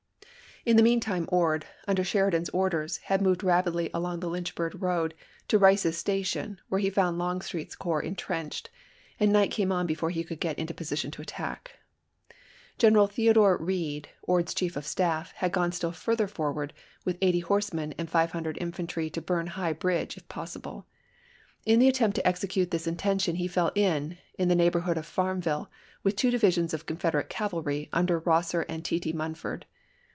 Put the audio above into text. In the mean time Ord, under Sheridan's orders, Api. p, i86& had moved rapidly along the Lynchburg road to Rice's Station, where he found Longstreet's corps intrenched, and night came on before he could get into position to attack. General Theodore Read, Ord's chief of staff, had gone still farther forward with eighty horsemen and five hundred infantry to burn High Bridge, if possible. In the attempt to execute this intention he fell in, in the neighbor hood of Farmville, with two divisions of Confeder ate cavalry under Rosser and T. T. Munford.